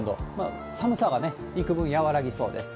寒さがいくぶん和らぎそうです。